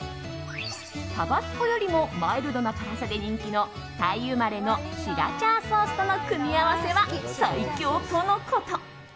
タバスコよりもマイルドな辛さで人気の、タイ生まれのシラチャーソースとの組み合わせは最強とのこと。